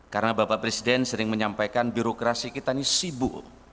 karena bapak presiden sering menyampaikan birokrasi kita ini sibuk